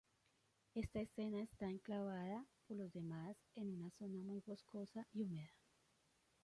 Esta escena está enclavada, por lo demás, en una zona muy boscosa y húmeda.